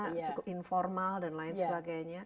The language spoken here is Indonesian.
yang cukup informal dan lain sebagainya